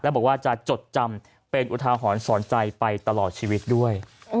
บอกว่าจะจดจำเป็นอุทาหรณ์สอนใจไปตลอดชีวิตด้วย